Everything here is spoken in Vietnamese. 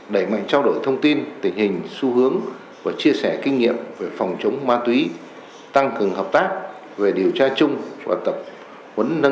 đẩy mạnh trao đổi thông tin tình hình xu hướng và chia sẻ kinh nghiệm về phòng chống ma túy tăng cường hợp tác về điều tra chung học tập